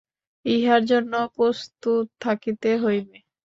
ইহার জন্য প্রস্তুত থাকিতে হইবে।